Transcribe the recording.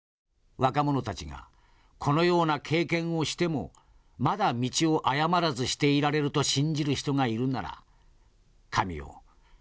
若者たちがこのような経験をしてもまだ道を誤らずしていられると信じる人がいるなら神よ！